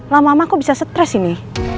lama lama aku bisa stress ini